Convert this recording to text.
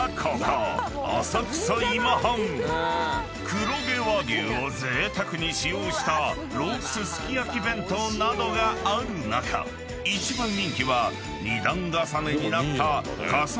［黒毛和牛をぜいたくに使用したロースすき焼弁当などがある中一番人気は２段重ねになった重ねすき焼弁当］